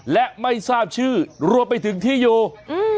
และไม่ทราบชื่อรวมไปถึงที่อยู่อืม